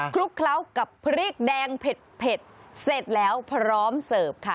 ลุกเคล้ากับพริกแดงเผ็ดเสร็จแล้วพร้อมเสิร์ฟค่ะ